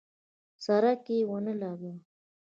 څرک یې ونه لګاوه.